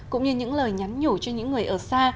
cũng như những lời nhắn nhủ cho những người ở xa